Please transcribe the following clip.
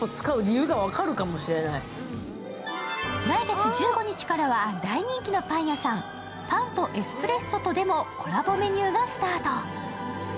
来月１５日からは大人気のパン屋さん、パンとエスプレッソととのコラボメニューがスタート。